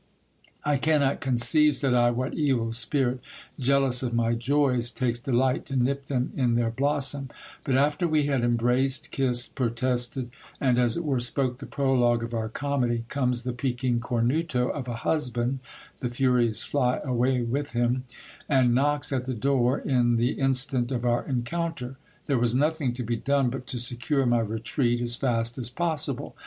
I cannot conceive, said I, what evil spirit, jealous of my joys, takes delight to nip them in their blossom : but after we had embraced, kissed, protested, and, as it were, spoke the prologue of our comedy, comes the peaking cornuto of a husband (the furies fly away with him), and knocks at the door in the instant of our encounter. There was nothing to be done but to secure my retreat as fast as possible.